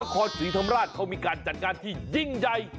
นครศรีธรรมราชเขามีการจัดงานที่ยิ่งใหญ่